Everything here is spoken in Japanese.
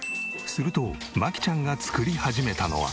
すると真姫ちゃんが作り始めたのは。